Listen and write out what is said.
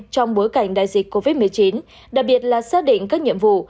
trong bối cảnh đại dịch covid một mươi chín đặc biệt là xác định các nhiệm vụ